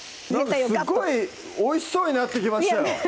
なんかすっごいおいしそうになってきましたよ